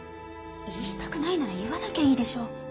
言いたくないなら言わなきゃいいでしょ。